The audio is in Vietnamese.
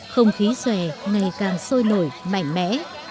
không khí xòe ngày càng sôi nổi mạnh mẽ